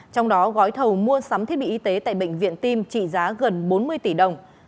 trong đó gói thầu mua sắm thiết bị y tế tại bệnh viện tim trị giá gần bốn mươi tỷ đồng